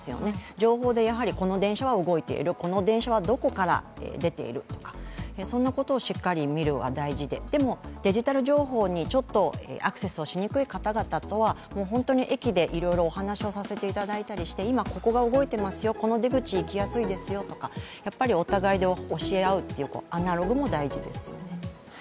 情報でやはりこの電車は動いている、この電車はどこから出ているとか、そんなことをしっかり見るのが大事で、でもデジタル情報にちょっとアクセスをしにくい方々はもう本当に駅でいろいろお話をさせていただいたりして、今、ここが動いてますよ、この出口出やすいですよとか、やっぱりお互いで教え合うというアナログも大事ですよね。